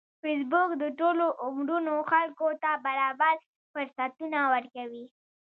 فېسبوک د ټولو عمرونو خلکو ته برابر فرصتونه ورکوي